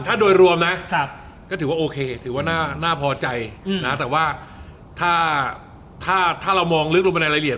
ถ้าโดยรวมนะก็ถือว่าโอเคถือว่าน่าพอใจนะแต่ว่าถ้าเรามองลึกลงไปในรายละเอียด